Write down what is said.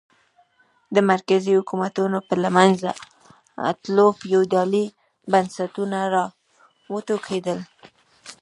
د مرکزي حکومتونو په له منځه تلو فیوډالي بنسټونه را وټوکېدل.